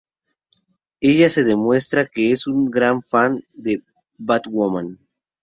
Ella se demuestra que es un gran fan de Batwoman.